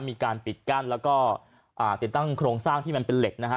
มีการปิดกั้นแล้วก็อ่าติดตั้งโครงสร้างที่มันเป็นเหล็กนะฮะ